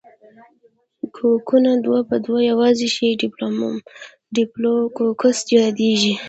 کوکونه دوه په دوه یوځای شي ډیپلو کوکس یادیږي.